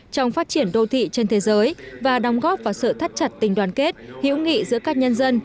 trong phát triển đô thị trên thế giới và đóng góp vào sự thắt chặt tình đoàn kết hiểu nghị giữa các nhân dân